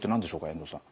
遠藤さん。